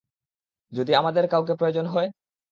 যদি আমাদের কাউকে প্রয়োজন হয়?